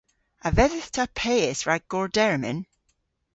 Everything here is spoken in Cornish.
A vedhydh ta peys rag gordermyn?